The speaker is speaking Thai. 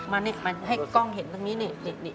ให้กล้องเห็นตรงนี้นี่